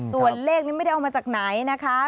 ส่วนเลขนี้ไม่ได้เอามาจากไหนนะคะ